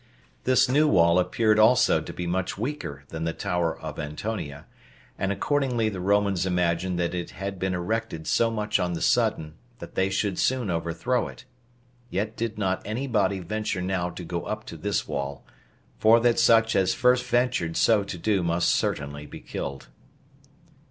This new wall appeared also to be much weaker than the tower of Antonia, and accordingly the Romans imagined that it had been erected so much on the sudden, that they should soon overthrow it: yet did not any body venture now to go up to this wall; for that such as first ventured so to do must certainly be killed.